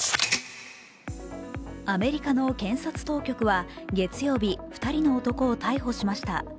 アメリカの検察当局は月曜日、２人の男を逮捕しました。